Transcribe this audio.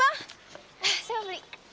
saya mau beli